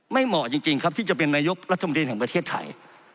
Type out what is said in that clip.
ไม่เหมาะจริงครับที่จะเป็นนโยคฯรัฐมนิษฐรม์ประเทศไทย